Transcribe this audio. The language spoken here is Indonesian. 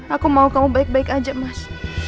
aku mau kamu baik baik aja mas